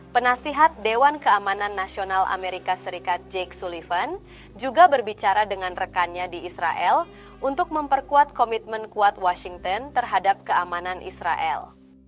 penasihat dewan keamanan nasional amerika serikat jake sullivan juga berbicara dengan rekannya di israel untuk memperkuat komitmen kuat washington terhadap keamanan israel